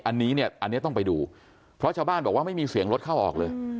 อันนี้เนี่ยอันนี้ต้องไปดูเพราะชาวบ้านบอกว่าไม่มีเสียงรถเข้าออกเลย